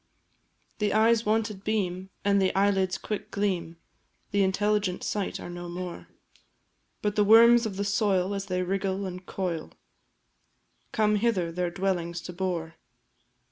The eyes' wonted beam, and the eyelids' quick gleam The intelligent sight, are no more; But the worms of the soil, as they wriggle and coil, Come hither their dwellings to bore.